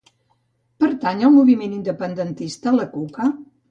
Pertany al moviment independentista la Cuca?